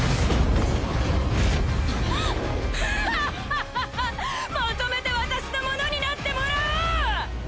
ハーッハッハッハッまとめて私のものになってもらおう！